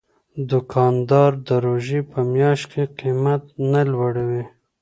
دوکاندار د روژې په میاشت کې قیمت نه لوړوي.